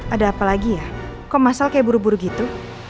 ada apa lagi ya kok masal kayak buru buru gitu